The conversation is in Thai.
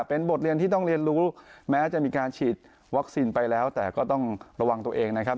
เป็นบทเรียนที่ต้องเรียนรู้แม้จะมีการฉีดวัคซีนไปแล้วแต่ก็ต้องระวังตัวเองนะครับ